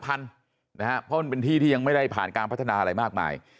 เพราะมันเป็นที่ที่ยังไม่ได้ผ่านการพัฒนาอะไรมากมาย